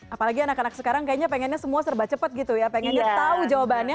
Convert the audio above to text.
apalagi anak anak sekarang kayaknya pengennya semua serba cepat gitu ya pengennya tahu jawabannya